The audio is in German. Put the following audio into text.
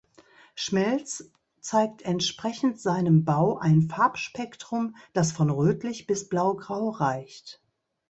Schmelz zeigt entsprechend seinem Bau ein Farbspektrum, das von rötlich bis blaugrau reicht.